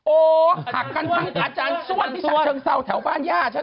โอ้โหหักกันทั้งอาจารย์ส้วนที่ฉะเชิงเซาแถวบ้านย่าฉัน